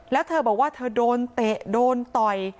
แล้วเธอบอกว่าเธอโดนเตะโดนต่อย